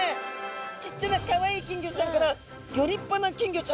ちっちゃなかわいい金魚ちゃんからギョ立派な金魚ちゃんまで。